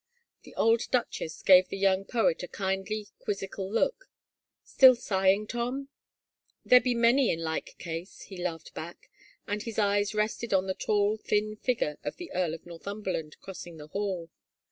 The old duchess gave the young poet a kindly quizzical look. " Still sighing, Tom ?"" There be many in like case," he laughed back, and his eyes rested on the tall, thin figure of the Earl of Northumberland crossing the hall.